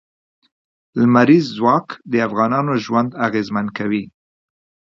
لمریز ځواک د افغانانو ژوند اغېزمن کوي.